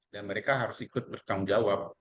dan mereka harus ikut bertanggung jawab